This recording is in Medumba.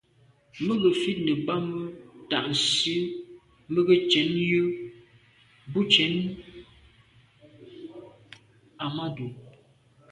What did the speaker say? Mə̀ gə ̀fít nə̀ bɑ́mə́ tà' nsí mə̄ gə́ cɛ̌d yə́ bú cɛ̌d Ahmadou.